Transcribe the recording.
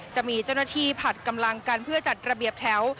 จะมีเจ้าหน้าที่ผัดกำลังกันเพื่อจัดระเบียบแถว